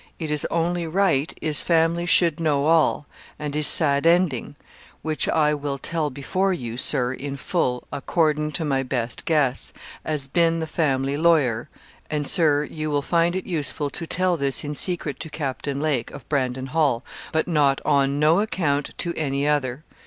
It is only Right is family shud know all, and his sad ending wich I will tell before you, Sir, in full, accorden to my Best guess, as bin the family Lawyer (and, Sir, you will find it usful to Tell this in secret to Capten Lake, of Brandon Hall But not on No account to any other).